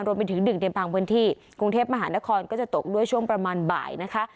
รวมไปถึงดึกในบางพื้นที่กรุงเทพมหานครก็จะตกด้วยช่วงประมาณบ่ายนะคะ